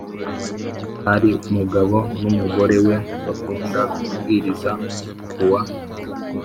Hari umugabo n umugore we bakunda kubwiriza kuwa